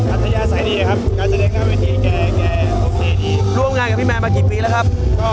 อัสยาใส่ดีครับ